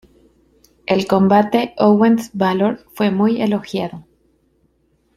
El combate Owens-Bálor fue muy elogiado.